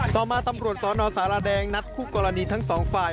ต่อมาตำรวจสนสารแดงนัดคู่กรณีทั้งสองฝ่าย